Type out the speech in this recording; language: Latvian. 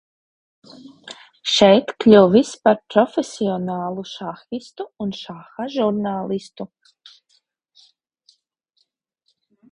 Šeit kļuvis par profesionālu šahistu un šaha žurnālistu.